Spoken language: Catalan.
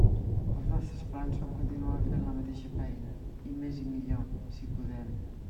Els nostres plans són continuar fent la mateixa feina, i més i millor, si podem.